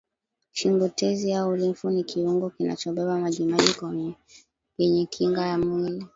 shingo tezi au limfu ni kiungo kinachobeba majimaji yenye kinga ya mwili